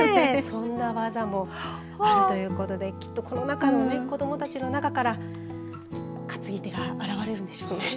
そんな技もあるということできっとこの子どもたちの中から担ぎ手が現れるんでしょうね。